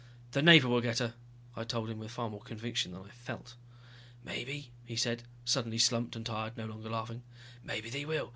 "The Navy will get her," I told him, with far more conviction than I felt. "Maybe," he said, suddenly slumped and tired, no longer laughing. "Maybe they will.